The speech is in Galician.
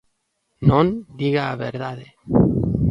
Non, diga a verdade.